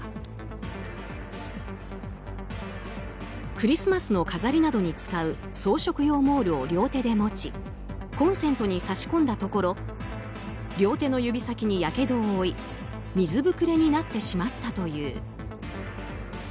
クリスマスの飾りなどに使う装飾用モールを両手で持ちコンセントに差し込んだところ両手の指先にやけどを負い水ぶくれになってしまったという。